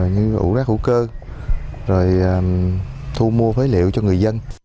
như ủ rác hữu cơ rồi thu mua phế liệu cho người dân